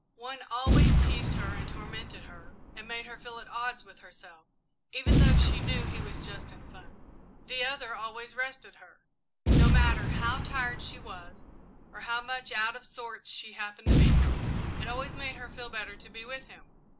One always teased her and tormented her and made her feel at odds with herself, even though she knew he was just in fun. "The other always rested her. No matter how tired she was, or how much out of sorts she happened to be, it always made her feel better to be with him.